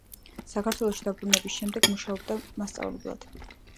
საქართველოში დაბრუნების შემდეგ მუშაობდა მასწავლებლად.